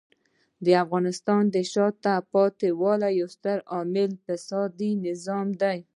د افغانستان د شاته پاتې والي یو ستر عامل د فسادي نظام دی.